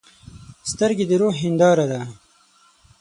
سترګې د روح هنداره ده.